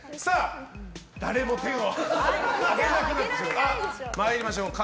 誰も手を挙げなくなっちゃう。